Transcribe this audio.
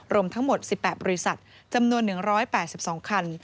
รวมทั้งหมด๑๘บริษัทจำนวน๑๘๒คัน